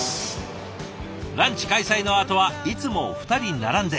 ランチ開催のあとはいつも２人並んで。